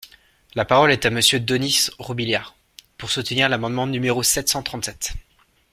La parole est à Monsieur Denys Robiliard, pour soutenir l’amendement numéro sept cent trente-sept.